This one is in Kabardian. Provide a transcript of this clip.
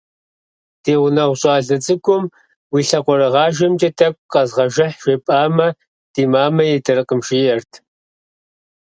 Ди гъунэгъу щӏалэ цӏыкӏум «уи лъакъуэрыгъажэмкӏэ тӏэкӏу къэзгъэжыхь» жепӏэмэ, «ди мамэ идэркъым» жиӏэрт.